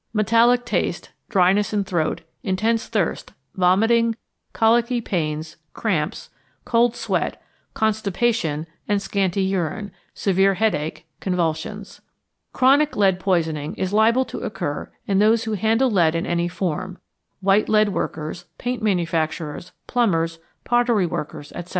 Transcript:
_ Metallic taste, dryness in throat, intense thirst, vomiting, colicky pains, cramps, cold sweat, constipation and scanty urine, severe headache, convulsions. Chronic lead poisoning is liable to occur in those who handle lead in any form white lead workers, paint manufacturers, plumbers, pottery workers, etc.